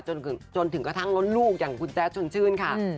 จนถึงจนถึงกระทั่งล้นลูกอย่างคุณแจ๊สชนชื่นค่ะอืม